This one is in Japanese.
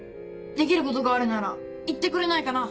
できることがあるなら言ってくれないかな？